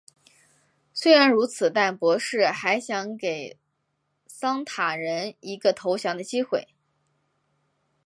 虽然如此但博士还想给桑塔人一个投降的机会。